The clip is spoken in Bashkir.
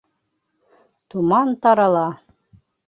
Томан тарала